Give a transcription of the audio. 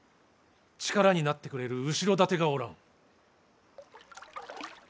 力になってくれる後ろ盾がおらん。